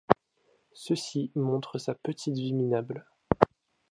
Ceci montre sa petite vie minable.